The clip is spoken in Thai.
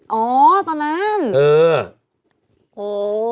อ๋อตอนนั้น